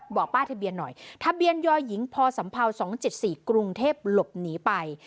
บอกป้าทะเบียนหน่อยทะเบียนยหญิงพศ๒๗๔กรุงเทพหลบหนีไป